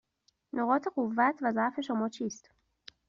نقاط قوت و ضعف شما چیست؟